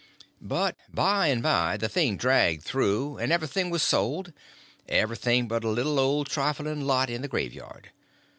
But by and by the thing dragged through, and everything was sold—everything but a little old trifling lot in the graveyard.